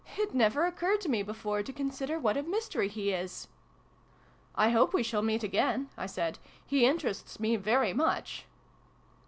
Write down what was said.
It never occurred to me before to consider what a mystery he is !"" I hope we shall meet again," I said : "he interests me very much."